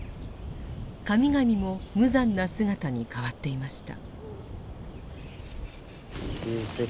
神々も無残な姿に変わっていました。